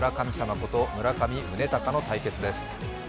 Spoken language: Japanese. こと村上宗隆の対決です。